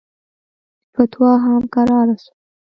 فتوا هم کراره سوه.